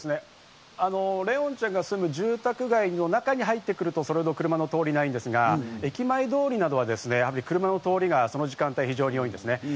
怜音ちゃんが住む住宅街の中に入ってくると、それ程の車の通りはないんですが駅前通りなどは車の通りはその時間帯は多いですね。